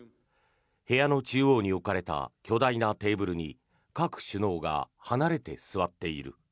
部屋の中央に置かれた巨大なテーブルに各首脳が離れて座っている。